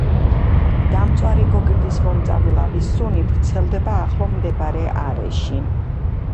დამწვარი გოგირდის მომწამლავი სუნი ვრცელდება ახლო მდებარე არეში.